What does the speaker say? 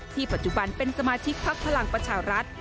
ปัจจุบันเป็นสมาชิกพักพลังประชารัฐ